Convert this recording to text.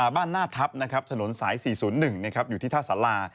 บ้านหน้าทัพนะครับถนนสาย๔๐๑อยู่ที่ท่าศาลา